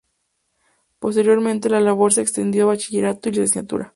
Posteriormente la labor se extendió a bachillerato y licenciatura.